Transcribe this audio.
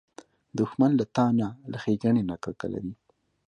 دښمن له تا نه، له ښېګڼې نه کرکه لري